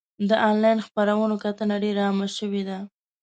د انلاین خپرونو کتنه ډېر عامه شوې ده.